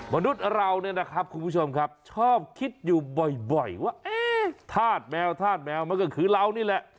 มนุษย์เราเนี่ยนะครับคุณผู้ชมครับชอบคิดอยู่บ่อยว่าธาตุแมวธาตุแมวมันก็คือเรานี่แหละ